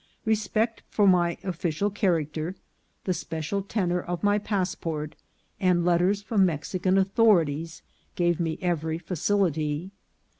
Respect for my official character, the special tenour of my passport, and letters from Mexican authorities, gave me every facility.